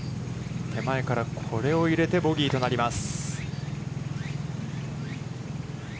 手前からこれを入れてボギーとなります。